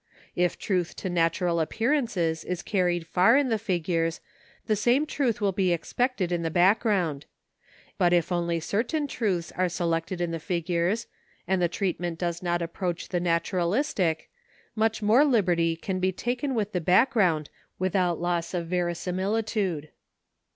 If truth to natural appearances is carried far in the figures, the same truth will be expected in the background; but if only certain truths are selected in the figures, and the treatment does not approach the naturalistic, much more liberty can be taken with the background without loss of verisimilitude.